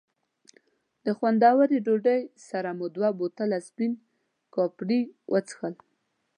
د خوندورې ډوډۍ پر سر مو دوه بوتله سپین کاپري وڅښل.